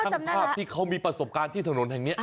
ช่างภาพที่เขามีประสบการณ์ที่ถนนแห่งนี้